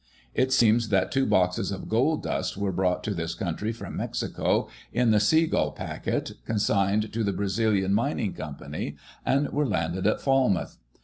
It seems that two boxes of gold dust were brought to this country from Mexico, in the Sea Gull Packet, consigned to the Brazilian Mining Co., and were landed at Falmouth.